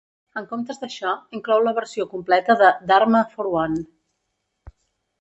En comptes d'això, inclou la versió completa de "Dharma for One".